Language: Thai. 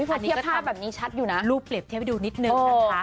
อันทีทีลูปเปรียบเทียบไปดูนิดนึกแล้วค่ะ